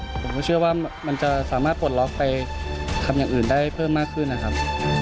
ผมก็เชื่อว่ามันจะสามารถปลดล็อกไปทำอย่างอื่นได้เพิ่มมากขึ้นนะครับ